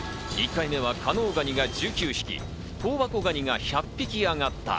１回目は加能ガニが１９匹、香箱ガニが１００匹あがった。